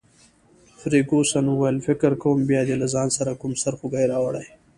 فرګوسن وویل: فکر کوم بیا دي له ځان سره کوم سرخوږی راوړی.